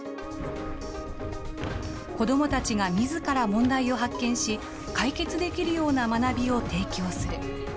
子どもたちがみずから問題を発見し、解決できるような学びを提供する。